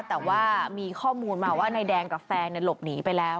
แต่ว่ามีข้อมูลมาว่านายแดงกับแฟนหลบหนีไปแล้ว